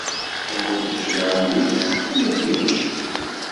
Anwa i d-icelεen deg-s ala kečč?